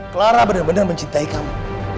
clara bener bener mencintai kamu